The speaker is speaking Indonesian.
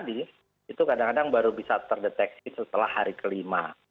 itu kadang kadang baru bisa terdeteksi setelah hari kelima